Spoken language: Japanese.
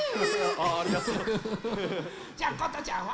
ありがとう。じゃあことちゃんは？